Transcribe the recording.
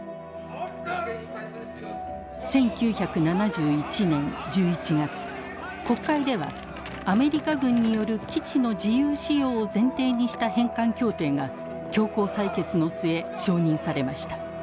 １９７１年１１月国会ではアメリカ軍による基地の自由使用を前提にした返還協定が強行採決の末承認されました。